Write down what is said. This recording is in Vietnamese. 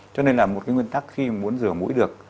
cho nên là một cái nguyên tắc khi muốn rửa mũi được